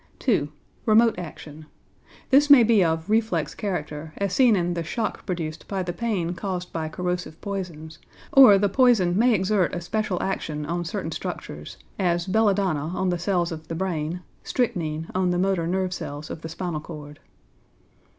2. Remote Action. This may be of reflex character, as seen in the shock produced by the pain caused by corrosive poisons, or the poison may exert a special action on certain structures, as belladonna on the cells of the brain, strychnine on the motor nerve cells of the spinal cord.